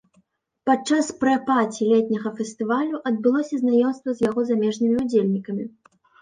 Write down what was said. Падчас прэ-паці летняга фестывалю адбылося знаёмства з яго замежнымі ўдзельнікамі.